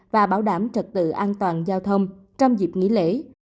và bảo đảm trật tự an toàn giao thông trong dịp nghỉ lễ